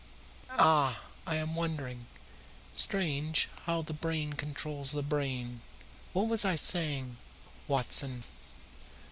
Ah, I am wandering! Strange how the brain controls the brain! What was I saying, Watson?"